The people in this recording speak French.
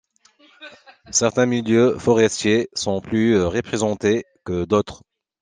Certains milieux forestiers sont plus représentés que d’autres.